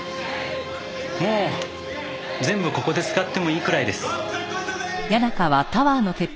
もう全部ここで使ってもいいくらいです。